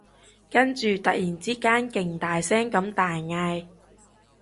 跟住突然之間勁大聲咁大嗌